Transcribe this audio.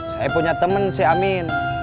saya punya teman si amin